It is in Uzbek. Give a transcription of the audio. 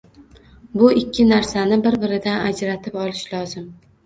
Bu ikki narsani bir-biridan ajratib olish lozim.